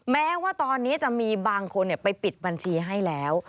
แม้ว่าตอนนี้จะมีบางคนไปปิดบัญชีให้แล้ว